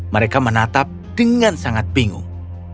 mereka menatap dengan sangat bingung